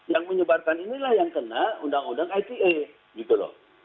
yang menyebarkan inilah yang kena undang undang ite gitu loh